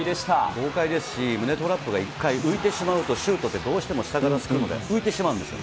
豪快ですし、胸トラップが１回浮いてしまうと、シュートってどうしても下からすくうので、浮いてしまうんですよ。